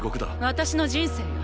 私の人生よ